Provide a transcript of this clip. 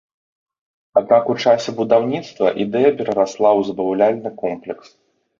Аднак у часе будаўніцтва ідэя перарасла ў забаўляльны комплекс.